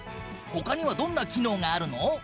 他にはどんな機能があるの？